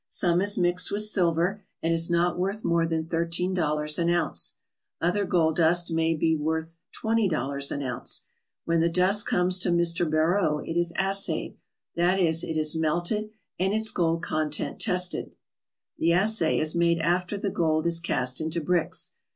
Some is mixed with silver and is not worth more than thirteen dollars an ounce. Other gold dust may be worth twenty dollars an ounce. When the dust comes to Mr. Beraud, it is assayed that is, it is melted and its gold content tested. The assay is made after the gold is cast into bricks.